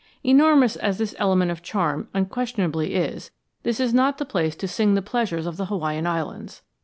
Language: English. Enormous as this element of charm unquestionably is, this is not the place to sing the pleasures of the Hawaiian Islands.